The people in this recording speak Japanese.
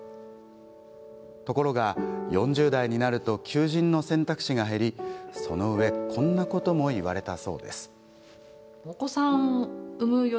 ところが４０代になると求人の選択肢が減り、そのうえこんなことも言われました。